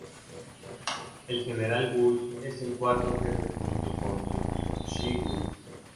El General Guy es el cuarto jefe junto con sus Shy Guys.